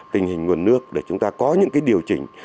tình hình nguồn nước để chúng ta có những điều chỉnh